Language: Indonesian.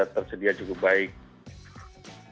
tersedia cukup baik